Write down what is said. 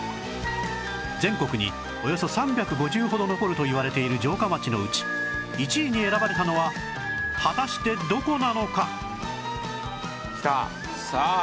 全国におよそ３５０ほど残るといわれている城下町のうち１位に選ばれたのは果たしてどこなのか？